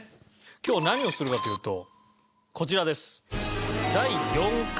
今日は何をするかというとこちらです。